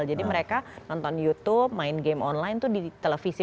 jadi mereka nonton youtube main game online tuh di televisi